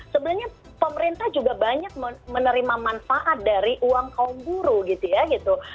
sebenarnya pemerintah juga banyak menerima manfaat dari uang kaum buru gitu ya gitu